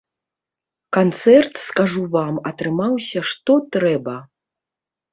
Канцэрт, скажу вам, атрымаўся што трэба!